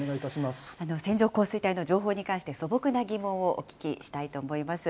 線状降水帯の情報に関して素朴な疑問をお聞きしたいと思います。